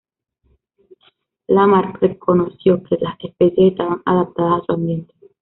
Lamarck reconoció que las especies estaban adaptadas a su ambiente.